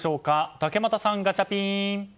竹俣さん、ガチャピン！